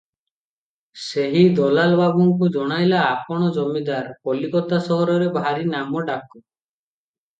ସେହି ଦଲାଲ ବାବୁଙ୍କୁ ଜଣାଇଲା, "ଆପଣ ଜମିଦାର, କଲିକତା ସହରରେ ଭାରି ନାମ ଡାକ ।